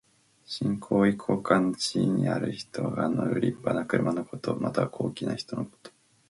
身高位高官の地位にある人が乗るりっぱな車のこと。または、高貴な人のこと。